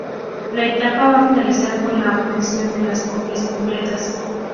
La etapa va a finalizar con la obtención de las copias completas.